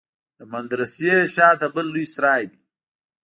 د مدرسې شا ته بل لوى سراى دى.